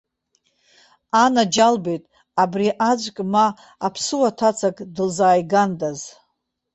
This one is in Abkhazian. Анаџьалбеит, абри аӡәк ма аԥсуа ҭацак дылзааигандаз.